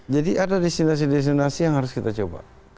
jadi ada destinasi destinasi yang harus kita coba